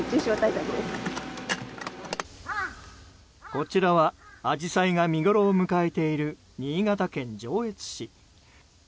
こちらはアジサイが見ごろを迎えている新潟県上越市。